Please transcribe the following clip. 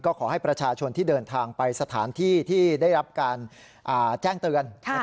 ขอให้ประชาชนที่เดินทางไปสถานที่ที่ได้รับการแจ้งเตือน